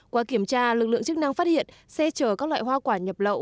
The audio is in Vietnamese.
qua kiểm tra lực lượng chức năng phát hiện xe chở các loại hoa quả nhập lậu